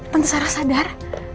tante sarah sadar